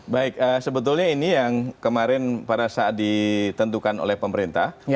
baik sebetulnya ini yang kemarin pada saat ditentukan oleh pemerintah